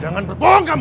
jangan berbohong kamu